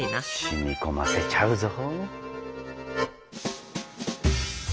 染み込ませちゃうぞ。